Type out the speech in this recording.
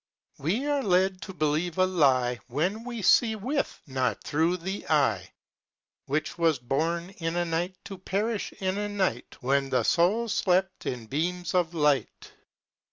We are led to Believe a Lie When we see not Thro' the Eye Which was Born in a Night to Perish in a Night When the Soul Slept in Beams of Light.